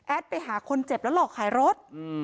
ไปหาคนเจ็บแล้วหลอกขายรถ